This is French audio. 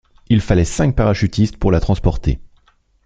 Il fallait cinq parachutistes pour la transporter.